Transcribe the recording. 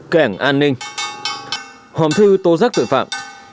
kẻng an ninh hòm thư tố rắc tội phạm